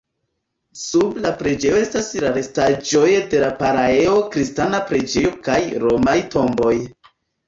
Sub la preĝejo estas la restaĵoj de la Palaeo-kristana preĝejo kaj romaj tomboj.